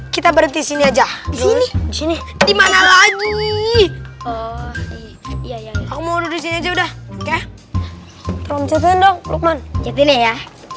kita berhenti sini aja di sini di sini dimana lagi mau udah udah oke dong ya